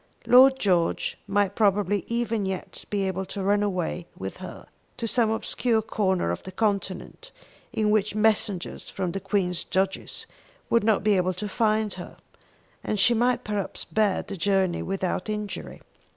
Lord George might probably even yet be able to run away with her to some obscure corner of the continent in which messengers from the Queen's judges would not be able to find her; and she might perhaps bear the journey without injury.